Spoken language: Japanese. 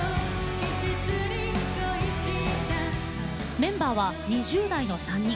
メンバーは２０代の３人。